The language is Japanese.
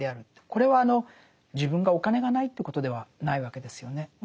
これは自分がお金がないということではないわけですよね。